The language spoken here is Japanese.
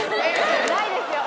ないですよ！